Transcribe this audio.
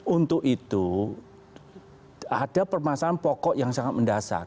untuk itu ada permasalahan pokok yang sangat mendasar